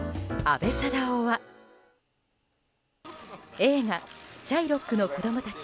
映画「シャイロックの子供たち」